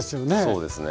そうですね。